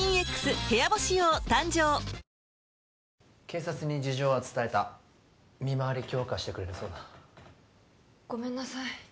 警察に事情は伝えた見回り強化してくれるそうだごめんなさい